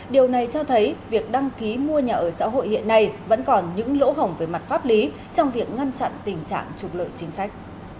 điều này cho thấy việc đăng ký mua nhà ở xã hội hiện nay vẫn còn những lỗ hổng về mặt pháp lý trong việc ngăn chặn tình trạng trục lợi chính sách